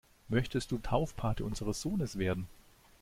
Möchtest du Taufpate unseres Sohnes werden?